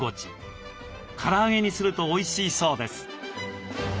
から揚げにするとおいしいそうです。